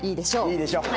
「いいでしょう」。